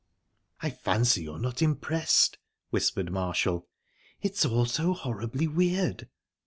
"I fancy you're not impressed?" whispered Marshall. "It's all so horribly weird."